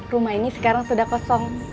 rumah ini sekarang sudah kosong